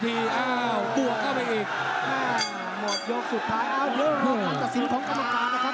ด้วยรอคำสัตว์สินของกรรมการละครับ